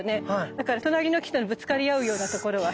だから隣の木とぶつかり合うような所はさ